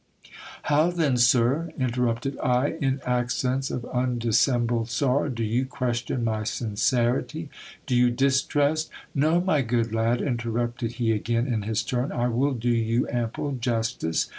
How then, sir ? interrupted I, in accents of undissembled sorrow, do you question my sincerity ? Do you distrust No, my good lad, interrupted he again in his turn, I will do you ample justice.